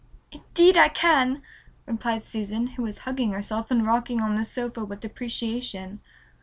"Indeed I can," replied Susan, who was hugging herself and rocking on the sofa with appreciation.